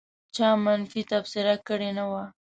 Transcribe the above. چا منفي تبصره کړې نه وه.